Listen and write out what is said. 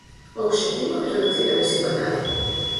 O obxectivo é reducir a desigualdade.